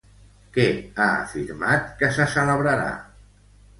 Què ha afirmat que se celebrarà?